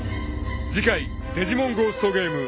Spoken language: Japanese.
［次回『デジモンゴーストゲーム』］